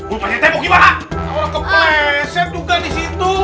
orang kepleset juga disitu